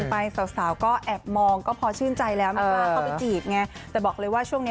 มีความอยากจะจีบใครบ้าง